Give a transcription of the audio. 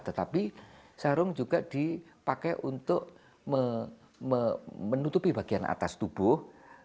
tetapi sarung juga dipakai untuk menutupi bagian atas tubuh